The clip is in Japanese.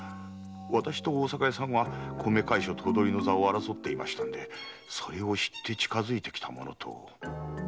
私と大阪屋さんは米会所・頭取の座を争っていましたんでそれを知って近づいてきたものと。